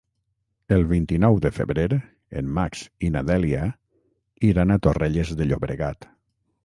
El vint-i-nou de febrer en Max i na Dèlia iran a Torrelles de Llobregat.